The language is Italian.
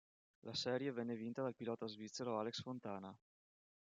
La serie venne vinta dal pilota svizzero Alex Fontana.